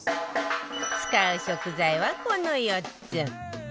使う食材はこの４つ